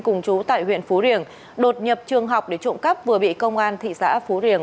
cùng chú tại huyện phú riềng đột nhập trường học để trộm cắp vừa bị công an thị xã phú riềng